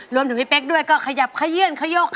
รวมถึงพี่เป๊กด้วยก็เขยับเขยื่นเขยก